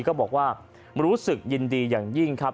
ก็บอกว่ารู้สึกยินดีอย่างยิ่งครับ